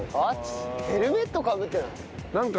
ヘルメットかぶってない？